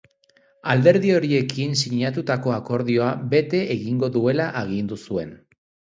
Alderdi horiekin sinatutako akordioa bete egingo duela agindu zuen.